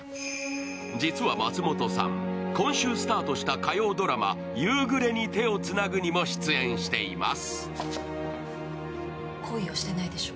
実は松本さん、今週スタートした火曜ドラマ「夕暮れに、手をつなぐ」にも出演しています。